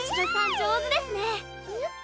上手ですねえっ？